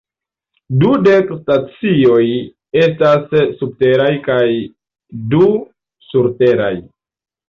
Dudek stacioj estas subteraj kaj du surteraj.